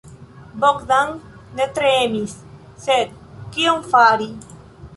Bogdan ne tre emis, sed kion fari?